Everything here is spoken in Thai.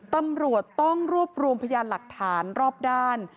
ตำรวจต้องรวบรวมพยานหลักฐานรอบด้าน